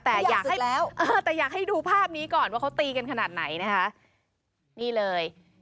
แต่อยากให้ดูภาพนี้ก่อนว่าเขาตีกันขนาดไหนนะคะนี่เลย